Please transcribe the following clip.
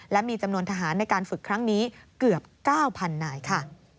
และมีจำนวนทหารในการฝึกครั้งนี้เกือบ๙๐๐นายค่ะ